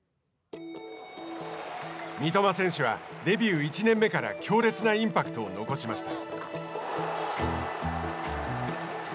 三笘選手はデビュー１年目から強烈なインパクトを残しました。